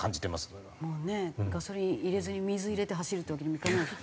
もうねガソリン入れずに水入れて走るっていうわけにもいかないし。